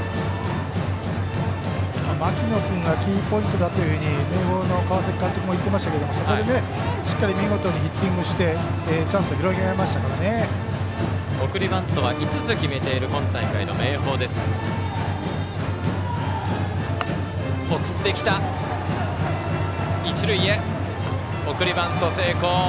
牧野君がキーポイントだというふうに明豊の川崎監督も言っていましたけれどもそこで、しっかり見事にヒッティングして送りバントは５つ決めている、今大会の明豊。送りバント、成功。